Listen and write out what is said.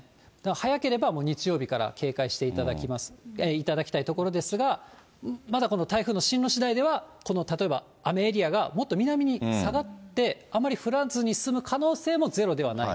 早ければ、もう日曜日から警戒していただきたいところですが、まだこの台風の進路しだいでは、この例えば雨エリアが、もっと南に下がって、あまり降らずに済む可能性もゼロではない。